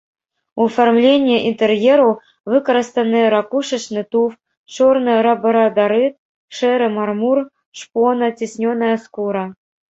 У афармленні інтэр'ераў выкарыстаны ракушачны туф, чорны лабрадарыт, шэры мармур, шпона, ціснёная скура.